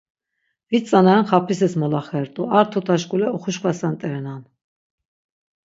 Vit tzanaren xapisis molaxert̆u, ar tuta şkule oxuşkvasent̆erenan.